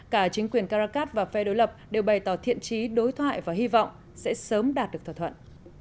cả chính quyền caracas và phe đối lập đều bày tỏ thiện trí đối thoại và hy vọng sẽ sớm đạt được thỏa thuận